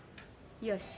よし。